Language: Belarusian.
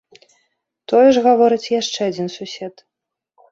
Тое ж гаворыць яшчэ адзін сусед.